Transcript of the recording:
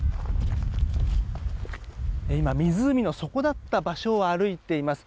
今、湖の底だった場所を歩いています。